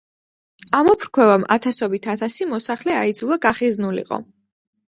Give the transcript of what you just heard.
ამოფრქვევამ ათობით ათასი მოსახლე აიძულა გახიზნულიყო.